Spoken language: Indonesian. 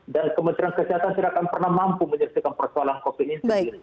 dan kementerian kesehatan tidak akan pernah mampu menyelesaikan persoalan covid sembilan belas ini